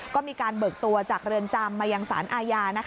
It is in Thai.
ก็มีการเบิกตัวจากเรือนจำมยอะย